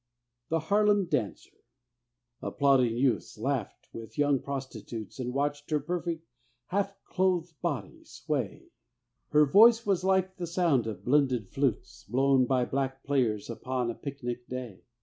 THE HARLEM DANCER Applauding youths laughed with young prostitutes And watched her perfect, half clothed body sway; Her voice was like the sound of blended flutes Blown by black players upon a picnic day.